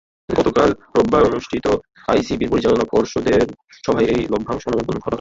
গতকাল রোববার অনুষ্ঠিত আইসিবির পরিচালনা পর্ষদের সভায় এই লভ্যাংশ অনুমোদন করা হয়।